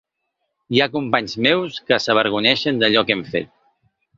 Hi ha companys meus que s’avergonyeixen d’allò que hem fet.